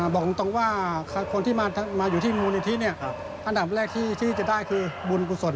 บอกตรงว่าคนที่มาอยู่ที่มูลนิธิอันดับแรกที่จะได้คือบุญกุศล